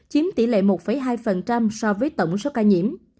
chiếm tỷ lệ một hai so với tổng số ca nhiễm